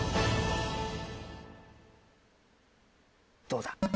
どうだ？